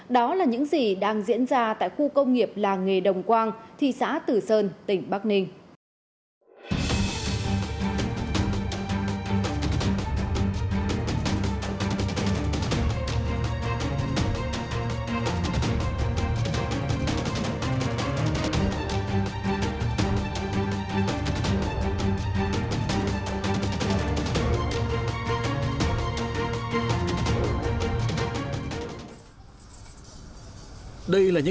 đó là những gì đang diễn ra tại khu công nghiệp làng nghề đồng quang thị xã tử sơn tỉnh bắc ninh